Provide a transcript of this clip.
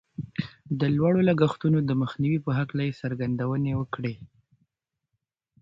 د لوړو لګښتونو د مخنیوي په هکله یې څرګندونې وکړې